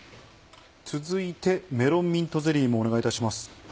続いてメロンミントゼリーもお願いいたします。